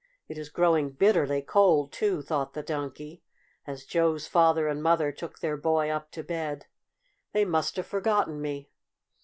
It is growing bitterly cold, too!" thought the Donkey, as Joe's father and mother took their boy up to bed. "They must have forgotten me."